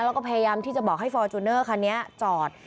แล้วก็พยายามที่จะบอกให้ฟอร์จูเนอร์คันนี้จอด